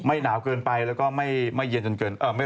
ไม่หนาวเกินไปแล้วก็ไม่ร้อนจนเกินไป